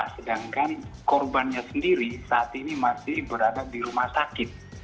sedangkan korbannya sendiri saat ini masih berada di rumah sakit